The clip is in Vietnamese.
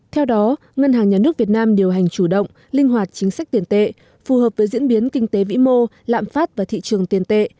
theo đó ngân hàng nhà nước việt nam điều hành chủ động linh hoạt chính sách tiền tệ phù hợp với diễn biến kinh tế vĩ mô lạm phát và thị trường tiền tệ